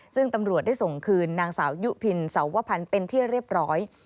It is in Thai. ซึ่งตำรวจได้ส่งคืนนางสาวยุพินสาวพันธ์เป็นที่เรียบร้อย